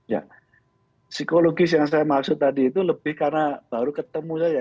ya psikologis yang saya maksud tadi itu lebih karena baru ketemu saja